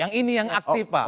yang ini yang aktif pak